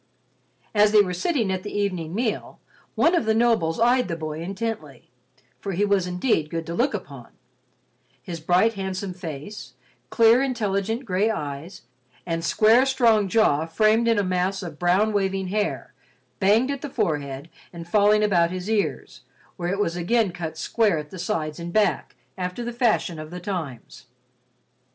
As they were sitting at the evening meal, one of the nobles eyed the boy intently, for he was indeed good to look upon; his bright handsome face, clear, intelligent gray eyes, and square strong jaw framed in a mass of brown waving hair banged at the forehead and falling about his ears, where it was again cut square at the sides and back, after the fashion of the times.